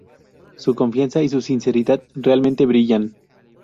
Su confianza y su sinceridad realmente brillan.